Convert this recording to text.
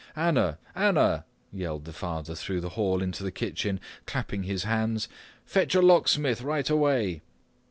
"Anna! Anna!' yelled the father through the hall into the kitchen, clapping his hands, "fetch a locksmith right away!"